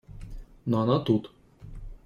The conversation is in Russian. Но она тут.